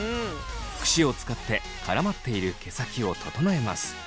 クシを使って絡まっている毛先を整えます。